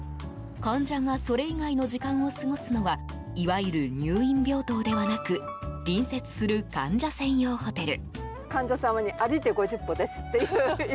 患者がそれ以外の時間を過ごすのはいわゆる入院病棟ではなく隣接する患者専用ホテル。